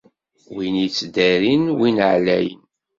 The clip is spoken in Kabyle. Win yettdarin win εlayen.